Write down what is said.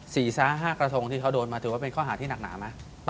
สี่ซ้าห้ากระทงที่เขาโดนมาถือว่าเป็นข้อหาที่หนักหนาไหม